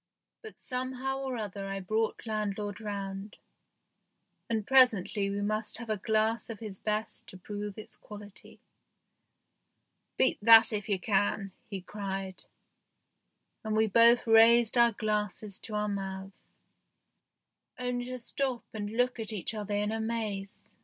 But somehow or other I brought landlord round, THE GHOST SHIP 17 and presently we must have a glass of his best to prove its quality. " Beat that if you can !" he cried, and we both raised our glasses to our mouths, only to stop half way and look at each other in amaze.